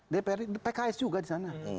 dprd pks juga disana